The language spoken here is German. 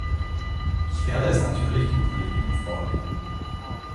Ich werde es natürlich dem Kollegium vorlegen.